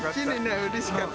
うれしかった。